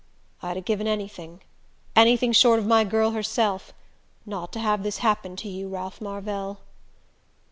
"I'd 'a' given anything anything short of my girl herself not to have this happen to you, Ralph Marvell."